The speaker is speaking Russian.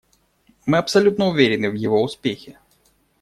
Мы абсолютно уверены в его успехе.